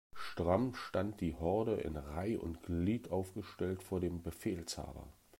Stramm stand die Horde in Reih' und Glied aufgestellt vor dem Befehlshaber.